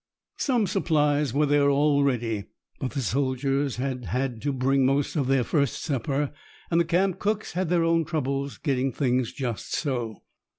Some supplies were there already, but the soldiers had had to bring most of their first supper, and the camp cooks had their own troubles getting things just so.